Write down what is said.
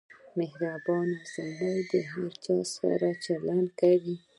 • مهربان سړی د هر چا سره ښه چلند کوي.